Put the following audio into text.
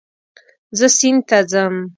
زه سیند ته ځم